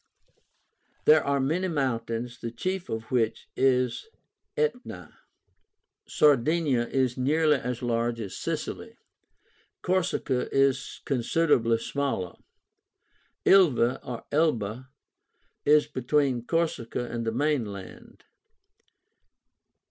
There are many mountains, the chief of which is Aetna. SARDINIA is nearly as large as Sicily. CORSICA is considerably smaller. ILVA (Elba) is between Corsica and the mainland.